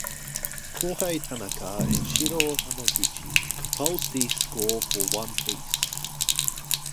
Kohei Tanaka and Shiro Hamaguchi composed the score for "One Piece".